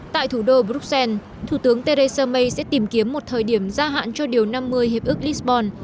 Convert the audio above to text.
tại thủ đô bruxelles thủ tướng theresa may sẽ tìm kiếm một thời điểm gia hạn cho điều năm mươi hiệp ước lisbon